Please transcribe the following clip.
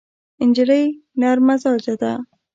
نجلۍ نرم مزاجه ده.